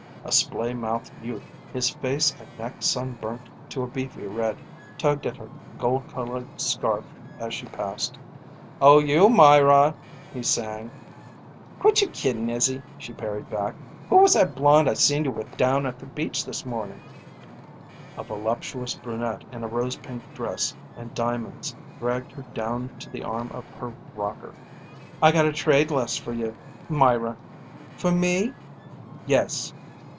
A splay mouthed youth, his face and neck sunburnt to a beefy red, tugged at her gold colored scarf as she passed. "Oh, you Myra!" he sang. "Quit your kiddin', Izzy!" she parried back. "Who was that blonde I seen you with down at the beach this mornin'?" A voluptuous brunette in a rose pink dress and diamonds dragged her down to the arm of her rocker. "I got a trade last for you, Myra." "For me?" "Yes."